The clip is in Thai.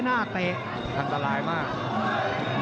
แค่งซ้ายหน้าเตะ